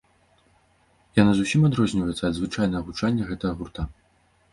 Яна зусім адрозніваецца ад звычнага гучання гэтага гурта.